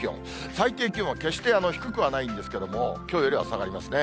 最低気温は決して低くはないんですけれども、きょうよりは下がりますね。